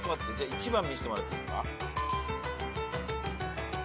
１番見せてもらっていいですか？